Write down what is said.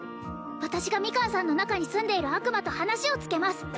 私がミカンさんの中に住んでいる悪魔と話をつけます